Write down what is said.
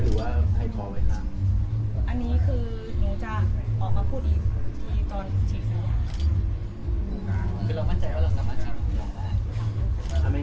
คนละเครื่องขายต่างจากเครื่องเขาเป็น